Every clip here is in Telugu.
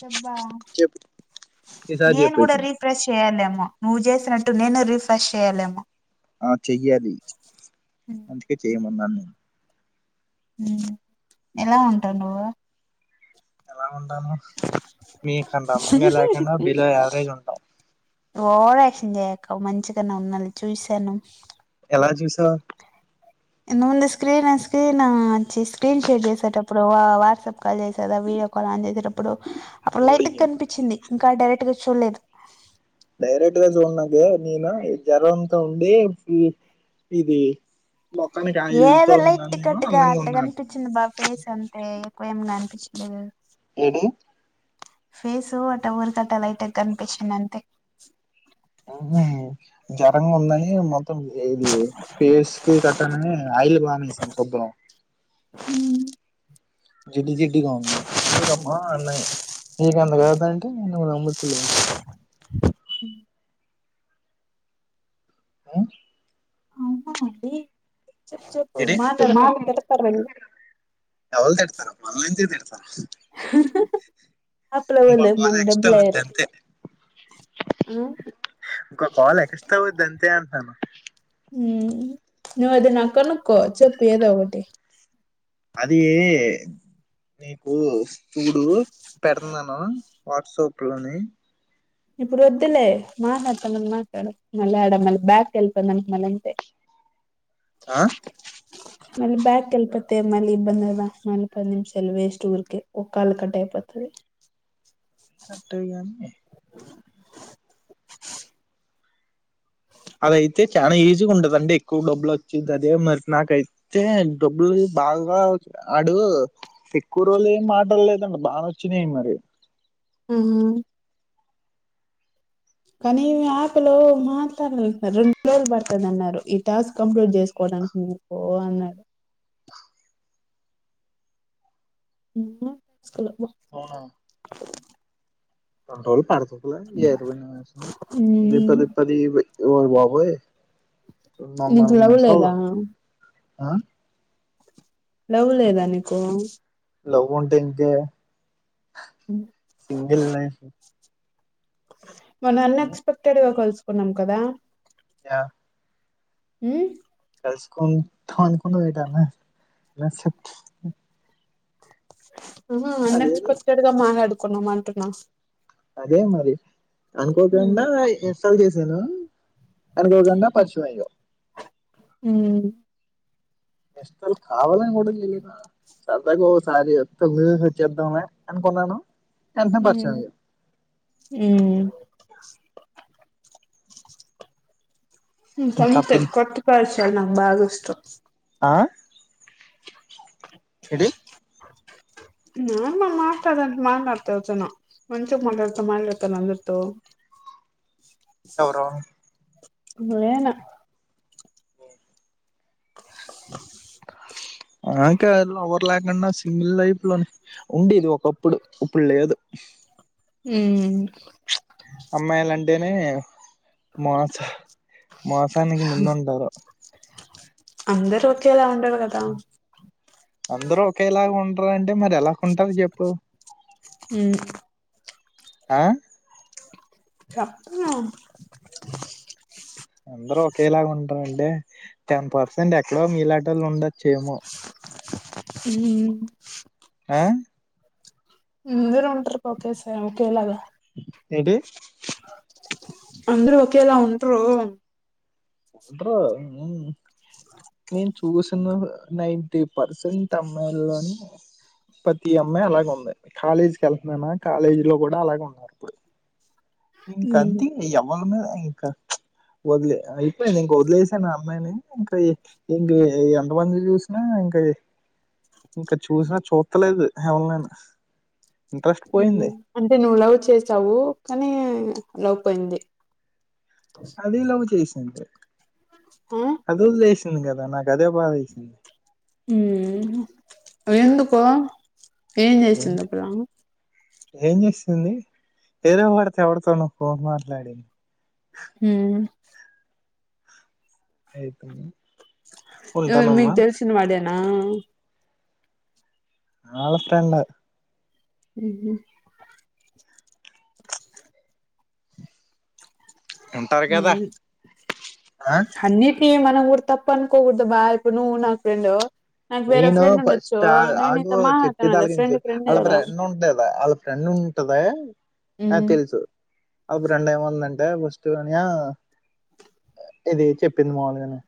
చెబ్బా చెప్పు ఈసారి నేను చెప్పు కూడా ఈసారి రీఫ్రెష్ చెయాలేమో నువ్వు చేసినట్టు నేను రిఫ్రెష్ చేయ్యలేేమో ఆ చెయ్యాలి అందుకే చెయమనిన్ని ఉమ్ ఎలా ఉంటా నువ్వు ఎలా ఉంటాను మీకు అంత అందంగా లేకుండా బిలో యావరేజ్ ఉంటాం న్ చేయక మంచిగానే ఉన్నాలి చూశాను ఎలా చుసావ్ ఇంతక ముందు స్క్రీన్ స్క్రీన్ వచ్చి స్క్రీన్ షేర్ చేసేటప్పుడు వాట్సాప్ కాల్ చేస కా వీడియో కాల్ ఆన్ చేసేటప్పుడు అప్పుడు లైట్గ ఊడియం కనిపించింది ఇంకా డైరెక్ట్ చల్లేదు డైరెక్ట్గా చూసినాకె నేను జ్వరంత ఉండి ఇది మొఖానికి ఆయిల్తో ఏదోలె ఉన్నాను నేను ఇట్టికట్టుగా అందంగా అట్ట ఉన్నాను కనిపించింది బా ఫేసు అంతే ఎక్కువ ఏమినా అనిపించలేదు గదా ఏడు ఫేసు అట్ట ఊరికట్ట లైటుగ కనిపించింది అంతె ఉహుమ్ జ్వరంగ ఉందని మొత్త థమ్ ఇది ఫేసుకి కట్టనని అఐల్ బమి సార్ సొబ్బరం హు జిడ్డి జిడ్డిగా ఉన్నాయి మీరమ్మా అన్నాయి మీకెంత కదండి నమ్మట్లే మ్మ్ ఆ అవునా అండి చెప్పు చెప్పు ఏటి [inaudible] మాట్లాడకపోతే ఇ తిడతారు వాళ్ళు ఎవలు తిడతారమ్మ మంజి అప్పుల ఇంకో వాళ్ళు కాల్ మన ఎక్ట్రా అవుద్ది డబ్బులయ్యారు అంతె ఆ ఇంకో కాల్ ఎక్ట్రా అవుద్ధి అంతే అంటనను ఉమ్ నువ్వు అది నా కనుకో చెప్పు ఏదో ఒకటి అదీ నీకు చడు పెడుతున్నాను వాట్సాప్ లోని ఇప్పుడు వద్దులే మాట్లాడుతునం మాట్లాడు మళ్ళీ ఆడ మళ్ళీ బ్యాక్ వెళ్పోందనుకో మళ్ళ అంతే ఆ మళ్ళీ బ్యాక్ కెళ్ళి పోతే మళ్ళీ ఇబ్బంది కదా మళ్ళీ పది నిమిషాలు వేస్ట్ ఊర్కే ఒక కాల్ కట్ అయిపోతది. అట్టేగాని అదైతె చాల ఈజీగ ఉండదండి. అంటె ఎక్కువ డబ్బులు వచ్చిద్ది. అదే మరి నాకైతే డబ్బులు బాగా అడు ఎక్కువ రోజులు ఏమి మాటడలేదండి. బానే వచ్చినాయి మరి. ఉహు కానీ యాప్ లో మాట్లాడినంక రెండు రోజులు పడుతది అన్నారు. ఈ టాస్క్ కంప్లీట్ చేసుకోవడానికి మీకు అన్నారు. [unintelligible] మ కొన్ని రోజులు పడుతది [unintelligible] దేతా దేత్తది ఏమో బాబోయ్ నీకు మమ్మల్ని లవ్ నిమిషాలు లేదా ఆ లవ్ లేదా నీకు లవ్ వుంటె ఇంకే సింగల్ నే అ మన అన్ ఎక్స్పక్టెడ్ కాల్స్ ప్పు నం కదా యా హు ఏసుకుంటాం అనేది ఎటైనా [unintelligible] సుఖ్ ఉహు అన్ ఎక్స్పక్టెడ్ గ మాట్లాడు. కొన్నమంటున్నా అదే మరి ఉమ్ అనుకోకుండా తీసెస్ సలు చేసాదా అనుకోకుండా పచ్చివాయే హుమ్ ఇష్టాలు కావాలని కూడా తెయిన సరదాగా ఓసారి వత్తే చేద్దామనే అనుకున్నాను. వెంటనే పరిచయం అయ్యావ్ ఏంది ఊ హ ఉమ్ ఇంకా సంతే అప్పటి నుంచి కొత్త పల్చాల నాంబాస్తు ఇసు ఆ ఏంటి నాన్న మాట్లాడక మాట్లాడత ఎవరి చోనో మనుషగ మాట్లాడతా మాట్లాతన అందరితో ఎవురో నేనా హె నాకే లవర్ లేకుండా సింగల్ లైపు లో ఉండేది ఒకప్పుడు ఇప్పుడు లేదు హమ్ ప్రేమే మోసం మోసానికి ముందుంటారు అందరూ ఒకేలా ఉండరు కదా అందరూ ఒకేలాగా ఉంటారు అంటే మరి ఎలా క గుంటారో చెప్పు అమ్ ఆ చెప్పు అందరూ ఒకేలాగా ఉంటారు అంటే టెన్ పర్సెంట్ ఎక్కడో మీలాంటి వొళ్ళు ఉండొ చేమో పుమ్ ఆ [unintelligible] తిరుపతి వస్తాం ఓకేలాగా ఏంటి అందరూ ఒకేలా ఉంటారు ఉంటరు నేను చూసిన నైటీ పర్సెంట్ అమ్మాయిలోని ప్రతి అమ్మాయి అలాగ ఉంది కాలేజీకి వెళ్తున్నానా కాలేజీ లో కూడా అలాగే ఉన్నారు ఇప్పుడు ఇంకా ఉమ్ అంతే ఎవరి మీద ఇంకా వదిలే అయిపోయింది ఇంక వదిలేసాను అమ్మాయిని ఇంకా ఇంక ఎంతమంది చూసినా ఇంకా ఇంకా చూసినా చూస్తలేదు ఎవరినేనా అంటే నువ్వు లవ్ చేసావు కానీ లవ్ పోయింది అదే ఎలాగో చేస్త అంటే ఆ అది వదిలేసి పుణ్యం కదా నాకు అదే బాధ వేసింది ఉమ్ ఎందుకో ఏం చేసింది ఏంటి ఆ పిల్ల ఏం చేసింది వేరే వాడితో ఎవడితోనో పోన్ మాట్లాడింది హమ్ అయిపోయి ఇతను మీకు తెల్సిన వాడేనా అమ్ అళ్ళా ఫెండ్ ఎ ఉహుమ్ ఉంటారు కదా ఆ ఉమ్అన్ని మనం కూడా తప్ప అనుకోకూడదు బా ఇప్పుడు నువ్వు నా ఫ్రెండ్ నాకు వేరే నేను ఫ్రెండ్ ఉండొచ్చు ఫస్ట్ నేను ఆగ నీతో చెప్పి మాట్లాడతాను కదా తలగించు ఫ్రెండ్ ఫ్రెండే వాళ్ళ కదా ఫ్రెండ్ ఉంటదా వాళ్ళ ఫ్రెండ్ ఉంటద నాకు ఉమ్ తెలుసు ఆ ఫ్రెండ్ ఏమన్నా దంటే దే ఫస్ట్ అనియా ఇది చెప్పింది మాములుగానే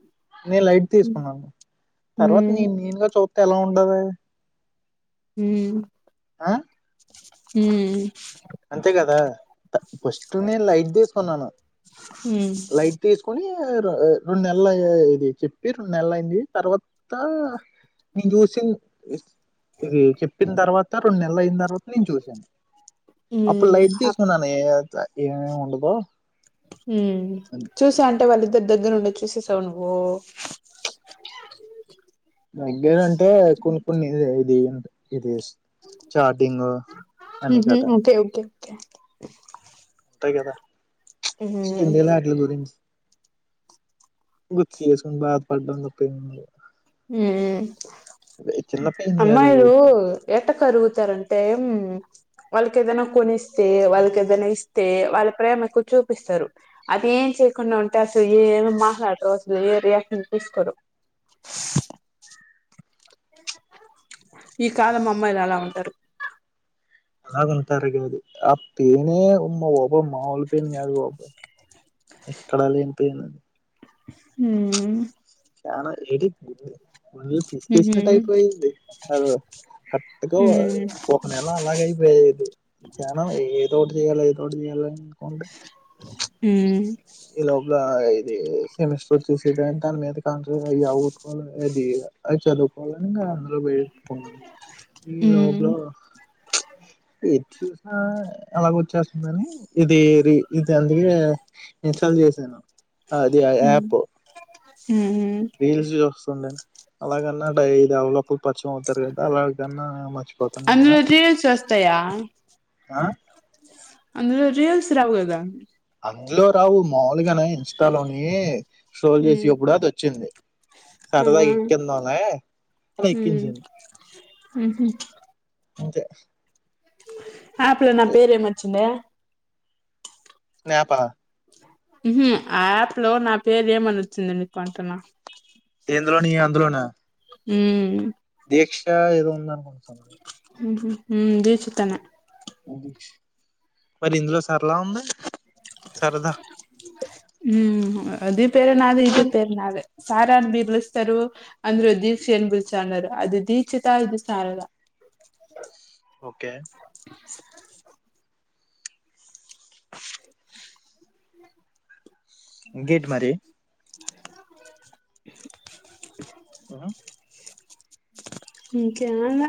నేను లైట్ ఉమ్ తీసుకున్నాను తర్వాత్ ఉమ్ నేను నేనుగా చూత్ ఎలా ఉండది మ్మ్ ఆ మ్ అంతే కదా ఫస్ట్ నేను లైట్ తీసుకున్నాను ఉమ్ లైట్ తీసుకొని రెండు నెల్లయ్యే ఇది చెప్పి రెండు నెల్లయ్యింది తర్వాత నేను చూసి ఇది చెప్పిన తర్వాత రెండు నెలలయ్యిన తర్వాత నేను చూసాను అప్పుడు లైట్ తీసుకున్నానే అయితే ఏమేం ఉండదో ఉమ్ అని. చూసాన్ టే వాళ్ళిద్దరు దగ్గరుండేది చూసేసావా నువ్వు దగ్గర అంటే కొన్ని కొన్ని ఇదే ఇది [unintelligible] ఇది చార్టింగ్ అన్ని కత [unintelligible] కే టాయి గదా ఇంకెందుకులే అటిల గురించి గుర్తుచేసుకోని బాధ పడడం తప్ప ఏం ఉంది మ్మ్ చిన్న పెయిన్ కాదు అమ్మాయిలు అదైతే ఎట్ట కరుగుతారంటే ఉమ్ వాళ్ళకేదన్నా కొనిస్తే వాళ్ళకేదన్నా ఇస్తే వాళ్ళ ప్రేమ ఎక్కువ చూపిస్తారు అది ఏం చేయకుండా ఉంటే అసలు ఏమీ మాట్లాడరు అసలు ఏ రియాక్షన్ తీసుకోరు ఈ కాలం అమ్మాయిలు అలా ఉంటారు అలాగుంటారు గాదు అప్ తేనే అమ్మవో [unintelligible] ఓ మామూలు పెయిన్ గాదు ఓ పే ఎక్కడా లేని పెయిన్ ఉంది ఉమ్మ్ చానా ఏటి గుడ్ విన్ ఫుల్లీ ఉమ్ పిసికేసినట్టు అయిపోయింది అదుగో కరెట్గా ఓ ఉమ్ ఒక నెల అలాగ అయిపోయింది జనం ఏదో ఇగాల ఏదొఒకటి చెయ్యాలని మ్మ్ అది సెమిస్టర్ వచ్చేసేదాని దాని మీద కాన్ట్ర ఇగ అవగొట్టుకోవాలి అది అది చదువుకోవాలని ఇంగ అలా వెట్కున్నాను ఈ ఉమ్ లోపల ఎట్ చూసినా అలాగ వచ్చేస్ మని ఇది రి ఇది అందుకేగా నేన్ చల్ చేసాను అదే ఆ ఉమ్ యాప్ ఉమ్ రీల్స్ జుస్తుండే అలాగన్నా డై డెవలప్ పరిచయం అవుతారు కదా అలాగన్నా మర్చిపోతాం కదా అందులో రీల్స్ [unintelligible] [inaudible] ఆ అందులో రీల్స్ రావ్ గదా అందులో రావు మాములుగానే ఇన్స్టాలోనే షోల్ చేసి ఉమ్ ఏప్పుడా అది వచ్చింది సరదా ఆహా ఎక్కిందలే అని ఉమ్ ఎక్కించిన్ ఉహు అంతే ఆప్ లో నా పేరు ఏమొచ్చిండా స్నాప్ ఆ ఉహు ఆప్ లో నా పేరు ఏమని వచ్చిండా ని మీకు అంటున్న ఏందులోని ఆందులోన ఊ మ్ దిక్ష ఏదో ఉందనుకుంట హు హుమ్ దీక్షిత నే మరి ఇందులో సరల ఉంది సరదా హుమ్ అది ప్ పేరే నాది ఇది పేరునదే సారా అని బిర్లుస్తారు అంద్రు దీక్షి అని బిలుస్తాండరు అది దీక్షత ఇది సారద ఓకే అ ఇంకేంటి మరి ఆ ఇంకేం అన్న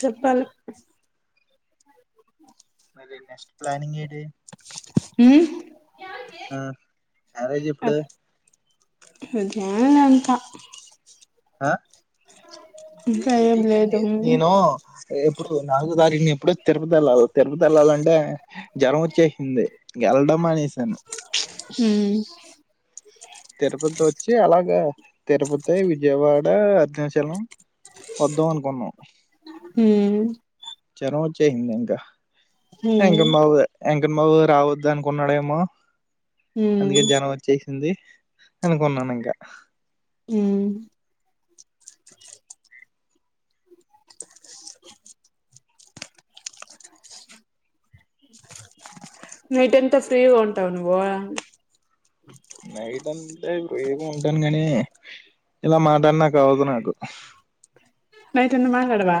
చెప్పాల్ నీ నెక్స్ట్ ప్లానింగ్ ఏటి ఉమ్ ఆ మ్యారేజ్ ఎప్పుడు అదేనా ఎంత ఆ ఈ ఇంకా ఏం రీజన్ డే లేదు ఉమ్ హి నో ఎప్పుడు నాలుగో తారీఖునో ఎప్పుడో తిరుపతిళ్లాలి తిరుపతి వెళ్లాలంటే జ్వరం వచ్చేసింది గెళ్లడం మానే స్ సను ఉమ్ తిరుపతి వచ్చి అలాగే తిరుపతి, విజయవాడ, అరుణాచలం వద్దాం అనుకున్నాం. ఉమ్ జరం వచేసింది ఇంక ఉమ్ ఇంక మవే ఎంకన్ బాబు రావద్దు అనుకున్నాడేమో ఉమ్ అందుకే జరం వచేసింది ఉంది అనుకున్నాను ఇంకా ఉమ్ నైట్ అంత ఫ్రీగా ఉంటావ నువ్వు నైటంటే ఫ్రీ గ ఉంటాను గానీ ఇలా మాట్లాడనాకు అవదు నాకు. నైటంత మాట్లాడవా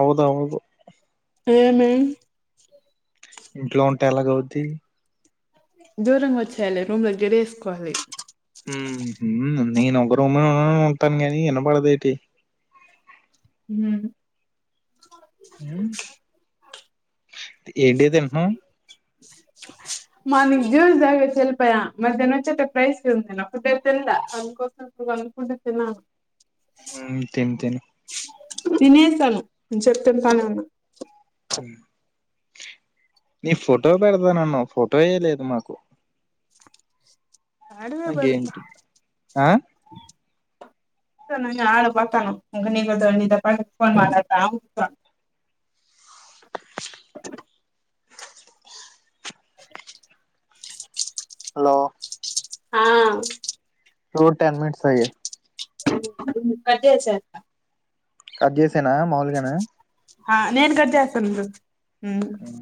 అవ్వధవ్వదు ఏమీ ఇంట్లో ఉంటె ఎలాగవుద్ది దూరంగా వచ్చేయాలి రూమ్ లో గెడి వేసుకోని ఉం నేను ఒక రూమ్ లోనే ఉంటాను గాని వినపడదేటి హ ఏంటి తింటన్నావ్ మార్నింగ్ జ్యూస్ తాగేసి వెళ్ళిపోయా మధ్యాహ్న వచ్చి అట రైస్ [unintelligible] ఒకటే తిన్ల [unintelligible] ఉమ్ తీన్ తిను తినేసాను ఇంతసేపు తింటానే ఉన్నా నీ ఫోటో పెడతానన్న ఫోటో వేయలేదు మాకు ఆడవే అగేంటి బతుకుతాను ఆ ఇంకా నయం ఆరుకిపోతాను ఇంక నీతో పాటు పోన్ మాట్లాడతా కూర్చుంట హలో ఆ చూడు టెన్ మినిట్స్ అయ్యాయ్ కట్ చేసేయ్ కట్ చేసానా మాములుగానే ఆ నేన్ కట్ చేస్తా నుండు. ఉమ్ మ్మ్